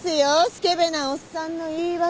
スケベなおっさんの言い訳。